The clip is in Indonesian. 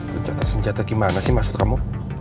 mencatat senjata gimana sih maksud kamu